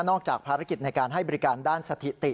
จากภารกิจในการให้บริการด้านสถิติ